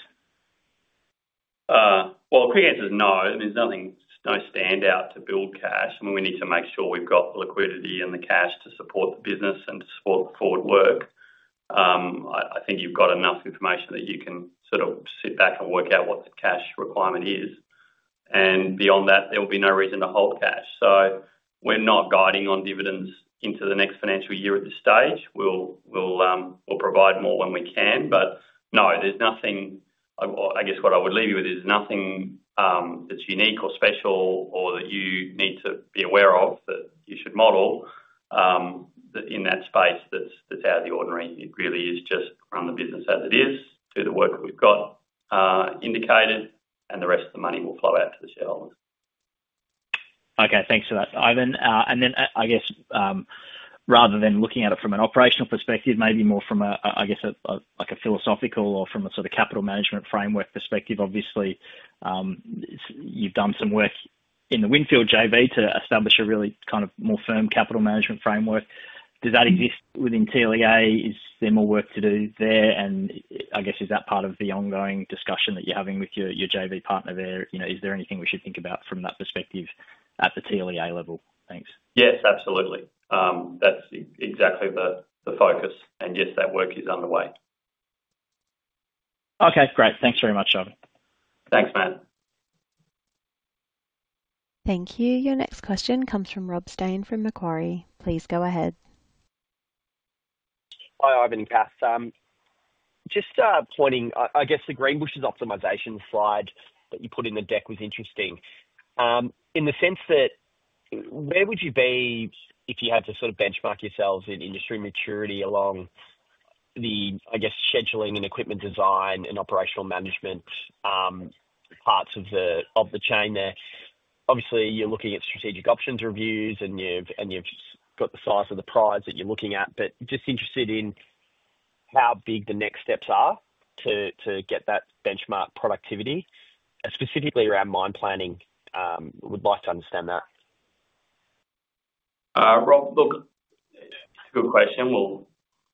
S2: The quick answer is no. I mean, there's no standout to build cash. I mean, we need to make sure we've got the liquidity and the cash to support the business and to support the forward work. I think you've got enough information that you can sort of sit back and work out what the cash requirement is. Beyond that, there will be no reason to hold cash. We're not guiding on dividends into the next financial year at this stage. We'll provide more when we can. No, there's nothing I guess what I would leave you with is nothing that's unique or special or that you need to be aware of that you should model in that space that's out of the ordinary. It really is just run the business as it is, do the work we've got indicated, and the rest of the money will flow out to the shareholders.
S9: Okay. Thanks for that, Ivan. I guess rather than looking at it from an operational perspective, maybe more from, I guess, a philosophical or from a sort of capital management framework perspective, obviously, you've done some work in the Winfield JV to establish a really kind of more firm capital management framework. Does that exist within TLEA? Is there more work to do there? I guess is that part of the ongoing discussion that you're having with your JV partner there? Is there anything we should think about from that perspective at the TLEA level? Thanks.
S2: Yes, absolutely. That is exactly the focus. Yes, that work is underway.
S9: Okay. Great. Thanks very much, Ivan.
S2: Thanks, Matt. Thank you. Your next question comes from Rob Stein from Macquarie. Please go ahead.
S10: Hi, Ivan and Kath. Just pointing, I guess the Greenbushes optimisation slide that you put in the deck was interesting in the sense that where would you be if you had to sort of benchmark yourselves in industry maturity along the, I guess, scheduling and equipment design and operational management parts of the chain there? Obviously, you're looking at strategic options reviews, and you've got the size of the prize that you're looking at, but just interested in how big the next steps are to get that benchmark productivity. Specifically around mine planning, would like to understand that.
S2: Rob, look, good question.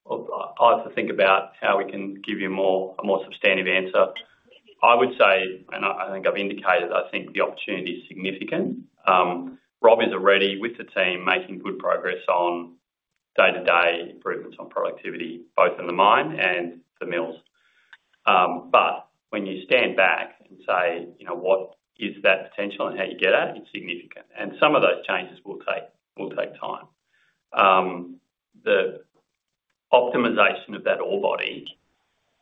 S2: I'll have to think about how we can give you a more substantive answer. I would say, and I think I've indicated, I think the opportunity is significant. Rob is already with the team making good progress on day-to-day improvements on productivity, both in the mine and the mills. When you stand back and say, "What is that potential and how do you get at it?" It's significant. Some of those changes will take time. The optimisation of that ore body,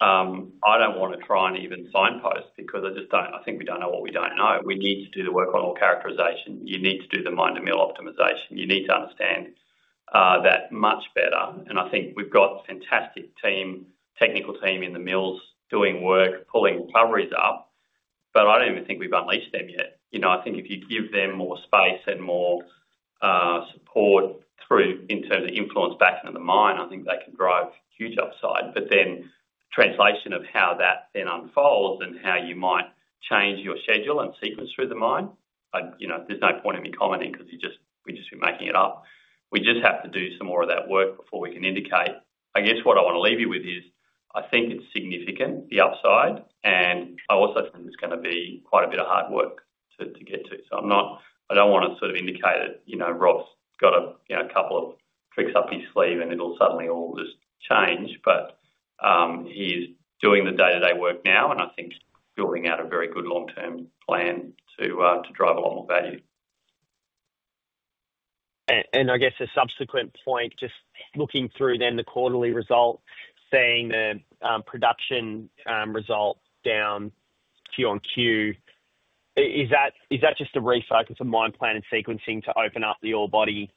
S2: I don't want to try and even signpost because I think we don't know what we don't know. We need to do the work on ore characterisation. You need to do the mine-to-mill optimisation. You need to understand that much better. I think we've got a fantastic technical team in the mills doing work, pulling recoveries up. I do not even think we've unleashed them yet. I think if you give them more space and more support in terms of influence back into the mine, I think they can drive huge upside. The translation of how that then unfolds and how you might change your schedule and sequence through the mine, there is no point in me commenting because we've just been making it up. We just have to do some more of that work before we can indicate. I guess what I want to leave you with is I think it's significant, the upside. I also think there's going to be quite a bit of hard work to get to. I do not want to sort of indicate that Rob's got a couple of tricks up his sleeve, and it'll suddenly all just change. He is doing the day-to-day work now, and I think building out a very good long-term plan to drive a lot more value.
S10: I guess a subsequent point, just looking through then the quarterly result, seeing the production result down Q-on-Q, is that just a refocus of mine plan and sequencing to open up the ore body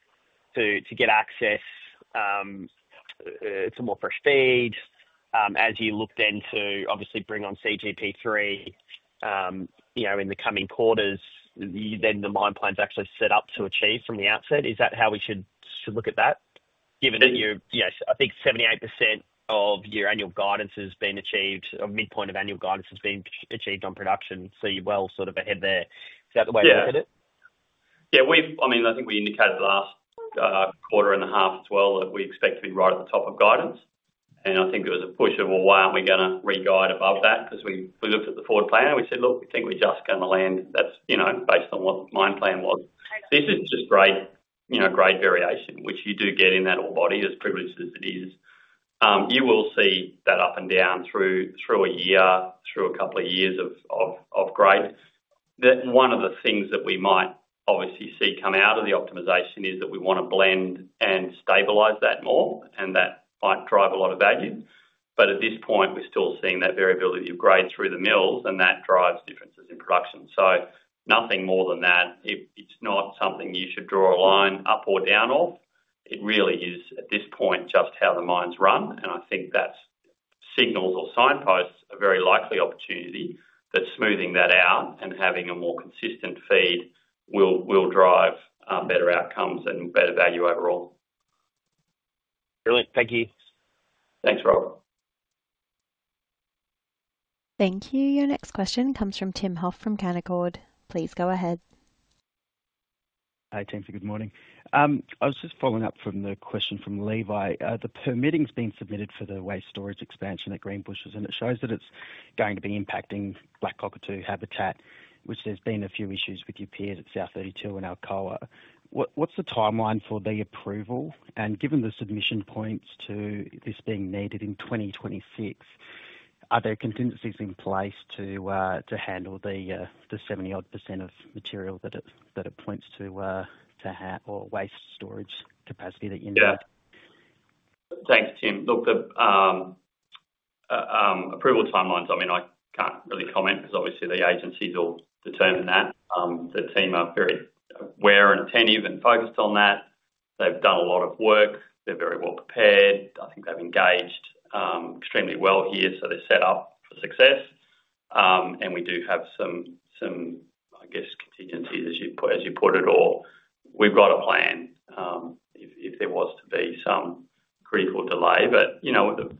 S10: to get access to more fresh feed as you look then to obviously bring on CGP3 in the coming quarters? The mine plan's actually set up to achieve from the outset. Is that how we should look at that? Given that you're, I think, 78% of your annual guidance has been achieved, or midpoint of annual guidance has been achieved on production. So you're well sort of ahead there. Is that the way to look at it?
S2: Yeah. I mean, I think we indicated last quarter and a half as well that we expect to be right at the top of guidance. I think it was a push of, "Well, why aren't we going to re-guide above that?" Because we looked at the forward plan, and we said, "Look, we think we're just going to land based on what the mine plan was." This is just grade variation, which you do get in that ore body, as privileged as it is. You will see that up and down through a year, through a couple of years of grade. One of the things that we might obviously see come out of the optimisation is that we want to blend and stabilise that more, and that might drive a lot of value. At this point, we're still seeing that variability of grade through the mills, and that drives differences in production. Nothing more than that. It's not something you should draw a line up or down off. It really is, at this point, just how the mines run. I think that signals or signposts a very likely opportunity that smoothing that out and having a more consistent feed will drive better outcomes and better value overall.
S10: Brilliant. Thank you.
S2: Thanks, Rob.
S1: Thank you. Your next question comes from Tim Hoff from Canaccord. Please go ahead.
S11: Hi, team. Good morning. I was just following up from the question from Levi. The permitting's been submitted for the waste storage expansion at Greenbushes, and it shows that it's going to be impacting Black Cockatoo habitat, which there's been a few issues with your peers at South32 and Alcoa. What's the timeline for the approval? Given the submission points to this being needed in 2026, are there contingencies in place to handle the 70-odd % of material that it points to or waste storage capacity that you need?
S2: Yeah. Thanks, Tim. Look, the approval timelines, I mean, I can't really comment because obviously the agencies will determine that. The team are very aware and attentive and focused on that. They've done a lot of work. They're very well prepared. I think they've engaged extremely well here, so they're set up for success. We do have some, I guess, contingencies, as you put it, or we've got a plan if there was to be some critical delay. The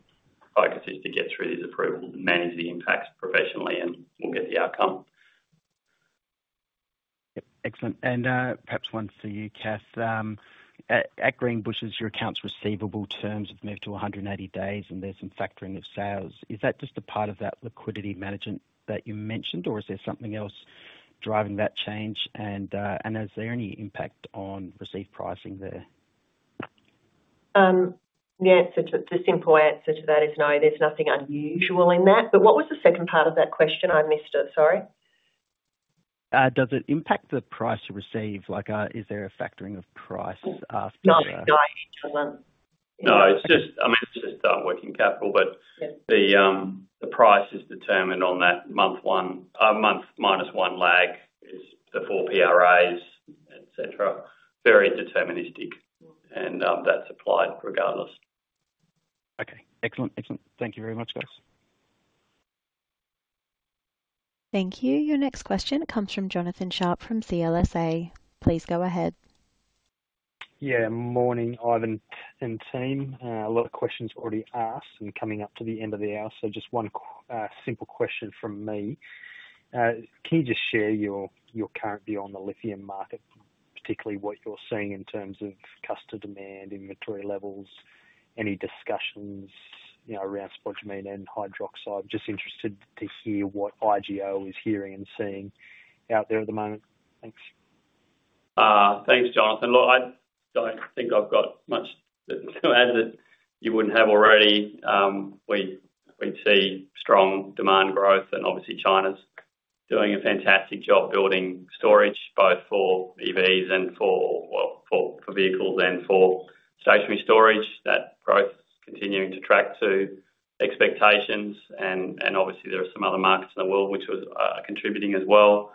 S2: focus is to get through these approvals and manage the impacts professionally, and we'll get the outcome.
S11: Yep. Excellent. Perhaps one for you, Kath. At Greenbushes, your accounts receivable terms have moved to 180 days, and there is some factoring of sales. Is that just a part of that liquidity management that you mentioned, or is there something else driving that change? Is there any impact on receipt pricing there?
S4: The simple answer to that is no. There is nothing unusual in that. What was the second part of that question? I missed it. Sorry.
S11: Does it impact the price you receive? Is there a factoring of price?
S4: No. No.
S2: No, it's just dark working capital. The price is determined on that month-minus-one lag, it is the four PRAs, etc. Very deterministic. That is applied regardless.
S11: Okay. Excellent. Excellent. Thank you very much, guys.
S1: Thank you. Your next question comes from Jonathan Sharp from CLSA. Please go ahead.
S12: Yeah. Morning, Ivan and team. A lot of questions already asked and coming up to the end of the hour. Just one simple question from me. Can you just share your current view on the lithium market, particularly what you're seeing in terms of customer demand, inventory levels, any discussions around spodumene and hydroxide? Just interested to hear what IGO is hearing and seeing out there at the moment. Thanks.
S2: Thanks, Jonathan. Look, I don't think I've got much to add that you wouldn't have already. We see strong demand growth, and obviously, China's doing a fantastic job building storage both for EVs and for vehicles and for stationary storage. That growth is continuing to track to expectations. There are some other markets in the world which are contributing as well.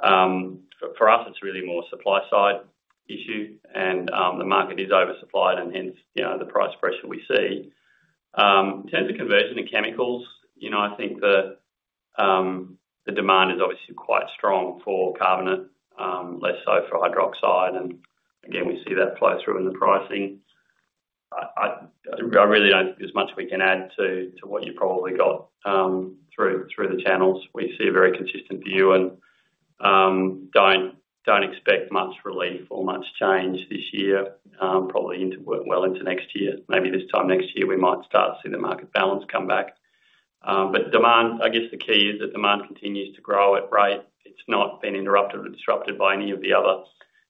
S2: For us, it's really more a supply-side issue, and the market is oversupplied, and hence the price pressure we see. In terms of conversion to chemicals, I think the demand is obviously quite strong for carbonate, less so for hydroxide. We see that flow through in the pricing. I really don't think there's much we can add to what you've probably got through the channels. We see a very consistent view and don't expect much relief or much change this year, probably well into next year. Maybe this time next year, we might start to see the market balance come back. I guess the key is that demand continues to grow at rate. It's not been interrupted or disrupted by any of the other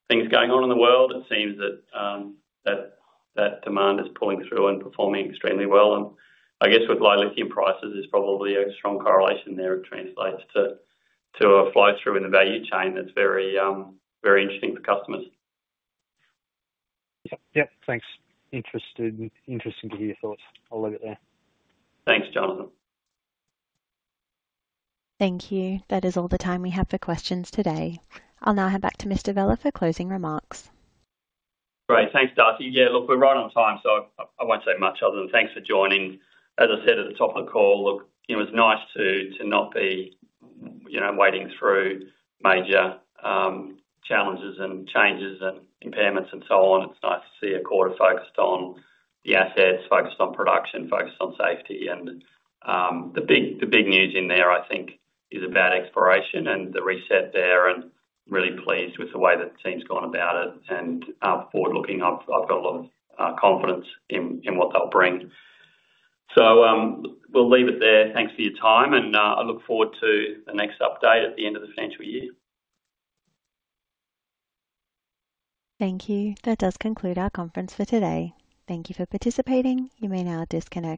S2: things going on in the world. It seems that demand is pulling through and performing extremely well. I guess with low lithium prices, there's probably a strong correlation there that translates to a flow through in the value chain that's very interesting for customers.
S12: Yep. Yep. Thanks. Interesting to hear your thoughts. I'll leave it there.
S2: Thanks, Jonathan.
S1: Thank you. That is all the time we have for questions today. I'll now hand back to Mr. Vella for closing remarks.
S2: Great. Thanks, Darcy. Yeah. Look, we're right on time, so I won't say much other than thanks for joining. As I said at the top of the call, look, it was nice to not be wading through major challenges and changes and impairments and so on. It's nice to see a quarter focused on the assets, focused on production, focused on safety. The big news in there, I think, is about exploration and the reset there. I'm really pleased with the way that the team's gone about it and forward-looking. I've got a lot of confidence in what they'll bring. We'll leave it there. Thanks for your time. I look forward to the next update at the end of the financial year.
S1: Thank you. That does conclude our conference for today. Thank you for participating. You may now disconnect.